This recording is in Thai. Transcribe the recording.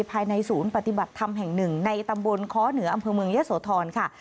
ภายในศูนย์ปฏิบัติธรรมแห่งหนึ่งในตำบลค้อเหนืออำเภอเมืองยะโสธรค่ะ